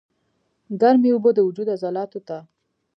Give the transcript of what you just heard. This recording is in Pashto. ګرمې اوبۀ د وجود عضلاتو ته